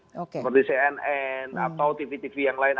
seperti cnn atau tv tv yang lain